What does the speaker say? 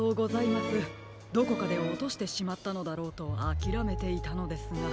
どこかでおとしてしまったのだろうとあきらめていたのですが。